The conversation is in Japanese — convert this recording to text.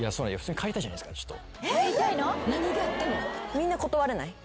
みんな断れない？